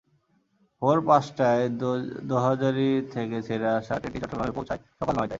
ভোর পাঁচটায় দোহাজারী থেকে ছেড়ে আসা ট্রেনটি চট্টগ্রামে পৌঁছায় সকাল নয়টায়।